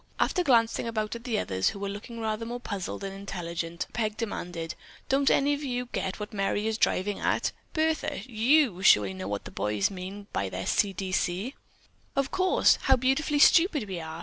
After glancing about at the others, who were looking rather more puzzled than intelligent, Peg demanded: "Don't any of you get what Merry is driving at? Bertha, you surely know what the boys mean by their 'C. D. C.'" "Of course. How beautifully stupid we are!"